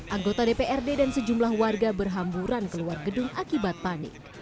anggota dprd dan sejumlah warga berhamburan keluar gedung akibat panik